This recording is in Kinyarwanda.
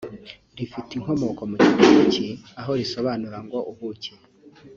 rifite inkomoko mu Kigereki aho risobanura ngo ubuki